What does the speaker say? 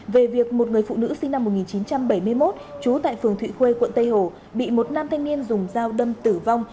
về việc một người phụ nữ sinh năm một nghìn chín trăm bảy mươi một trú tại phường thụy khuê quận tây hồ bị một nam thanh niên dùng dao đâm tử vong